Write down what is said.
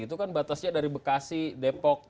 itu kan batasnya dari bekasi depok